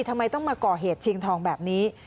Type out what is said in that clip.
ทำไมต้องมาก่อเหตุชิงทองแบบนี้